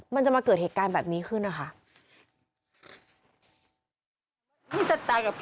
มันจะมาเกิดเหตุการณ์แบบนี้ขึ้นนะคะ